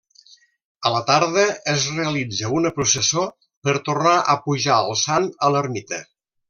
A la tarda es realitza una processó per tornar a pujar al Sant a l'ermita.